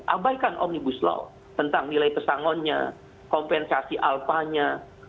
abaikan omnibus law tentang nilai pesangonnya kompensasi alpanya